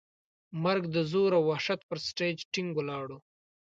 مرګ د زور او وحشت پر سټېج ټینګ ولاړ و.